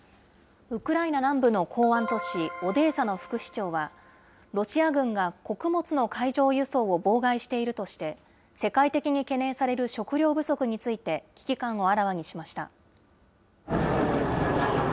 ウクライナ南部の港湾都市オデーサの副市長は、ロシア軍が穀物の海上輸送を妨害しているとして、世界的に懸念される食糧不足について、危機感をあらわにしました。